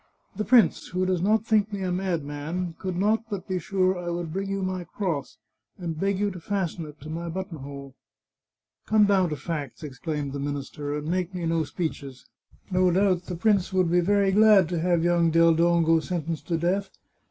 The prince, who does not think me a madman, could not but be sure I would bring you my cross, and beg you to fasten it to my buttonhole." " Come down to facts," exclaimed the minister, " and make me no speeches." " No doubt the prince would be very glad to have young Del Dongo sentenced to death.